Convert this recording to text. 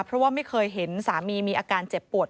เพราะว่าไม่เคยเห็นสามีมีอาการเจ็บปวด